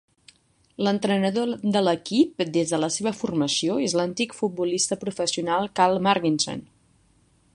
L'entrenador de l'equip des de la seva formació és l'antic futbolista professional Karl Marginson.